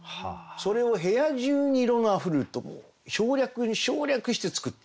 それを「部屋中に色のあふるる」と省略に省略して作ったそういう句でね